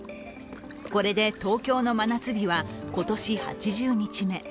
これで東京の真夏日は今年８０日目。